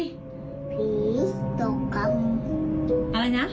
ผีตรงอะไรนะ